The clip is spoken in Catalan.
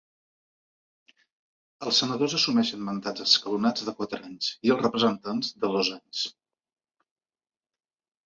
Els senadors assumeixen mandats escalonats de quatre anys i els representants, de dos anys.